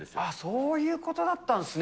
そういうことだったんですね。